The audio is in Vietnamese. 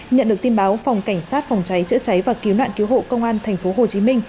nhận được tin báo phòng cảnh sát phòng cháy chữa cháy và cứu nạn cứu hộ công an tp hcm